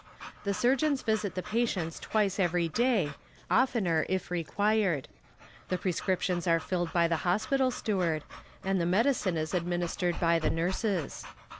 The surgeons visit the patients twice every day, oftener if required; the prescriptions are filled by the hospital steward, and the medicine is administered by the nurses.